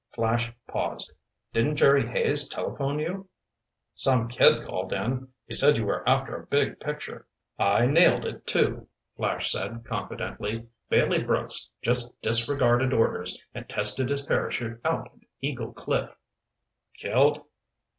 Flash paused. "Didn't Jerry Hayes telephone you?" "Some kid called in. He said you were after a big picture." "I nailed it, too," Flash said confidently. "Bailey Brooks just disregarded orders and tested his parachute out at Eagle Cliff." "Killed?"